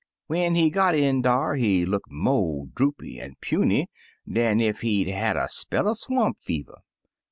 When he got in dar, he look mo* droopy an* puny dan ef he*d *a* had a spell er swamp fever.